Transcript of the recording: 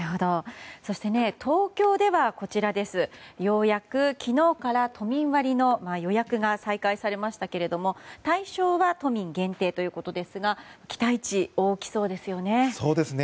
そして東京ではようやく昨日から都民割の予約が再開されましたけれども対象は都民限定ということですが期待値、大きそうですよね。